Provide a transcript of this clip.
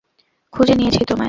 খুঁজে নিয়েছি তোমায়।